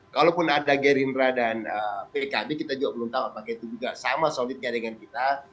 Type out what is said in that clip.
kalaupun ada gerindra dan pkb kita juga belum tahu apakah itu juga sama solidnya dengan kita